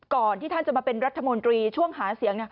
ก่อนที่ท่านจะมาเป็นรัฐมนตรีช่วงหาเสียง